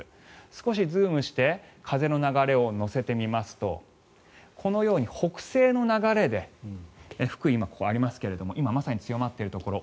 少しズームして風の流れを乗せてみますとこのように北西の流れで福井が、ここにありますが今まさに強まっているところ。